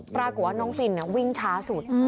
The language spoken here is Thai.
ปรากฏว่าน้องฟินวิ่งช้าสุด